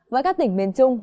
với các tỉnh miền trung